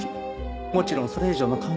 もちろんそれ以上の関係も。